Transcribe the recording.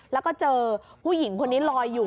แล้วก็เจอผู้หญิงคนนี้ลอยอยู่